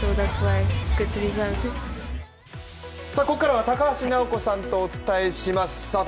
ここからは高橋尚子さんとお伝えします。